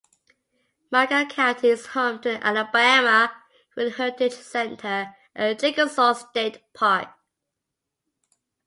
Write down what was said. Marengo County is home to the Alabama Rural Heritage Center and Chickasaw State Park.